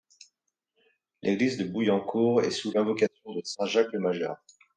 L'église de Bouillancourt est sous l'invocation de saint Jacques-le-Majeur.